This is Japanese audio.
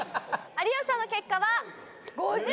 有吉さんの結果は５７秒！